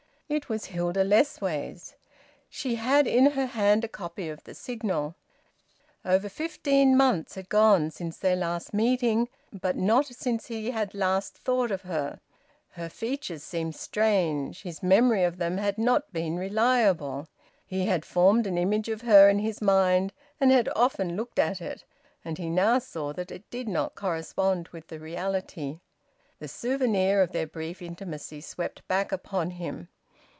It was Hilda Lessways. She had in her hand a copy of the "Signal." Over fifteen months had gone since their last meeting, but not since he had last thought of her. Her features seemed strange. His memory of them had not been reliable. He had formed an image of her in his mind, and had often looked at it, and he now saw that it did not correspond with the reality. The souvenir of their brief intimacy swept back upon him.